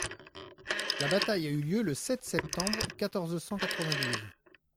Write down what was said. La bataille a eu lieu le sept septembre quatorze cent quatre-vingt-douze.